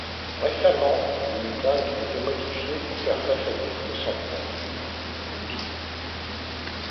Récemment une digue était modifiée pour faire face à des crues centennales.